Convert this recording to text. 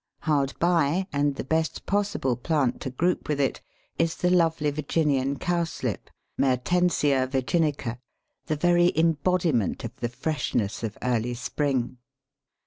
Hard by, and the best possible plant to group with it, is the lovely Virginian Cowslip (Mertensia virginica), the very embodiment of the freshness of early spring.